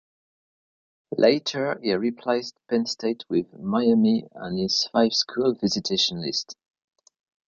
Later, he replaced Penn State with Miami on his five school visitation list.